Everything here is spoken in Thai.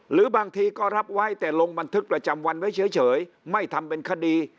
หรือบางทีก็รับไว้แต่ลงบันทึกประจำวันไว้เฉยไม่ทำเป็นคดี